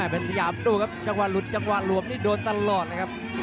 เป็นสยามดูครับจังหวะหลุดจังหวะหลวมนี่โดนตลอดเลยครับ